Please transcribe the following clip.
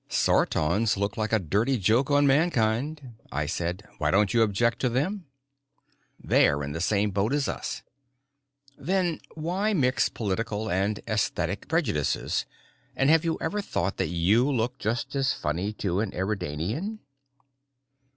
"Sartons look like a dirty joke on mankind," I said. "Why don't you object to them?" "They're in the same boat as us." "Then why mix political and esthetic prejudices? And have you ever thought that you look just as funny to an Eridanian?"